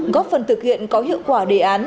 góp phần thực hiện có hiệu quả đề án